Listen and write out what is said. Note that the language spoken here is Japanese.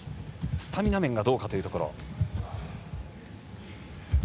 スタミナ面がどうかというところ。